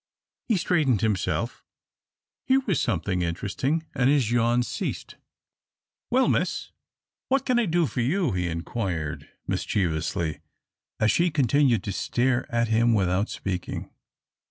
He straightened himself. Here was something interesting, and his yawns ceased. "Well, miss, what can I do for you?" he inquired, mischievously, as she continued to stare at him without speaking.